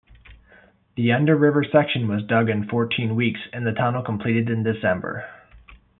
The under-river section was dug in fourteen weeks and the tunnel completed in December.